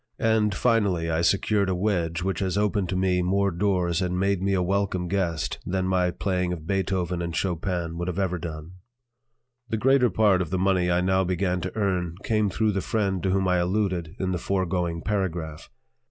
And, finally, I secured a wedge which has opened to me more doors and made me a welcome guest than my playing of Beethoven and Chopin could ever have done. The greater part of the money I now began to earn came through the friend to whom I alluded in the foregoing paragraph.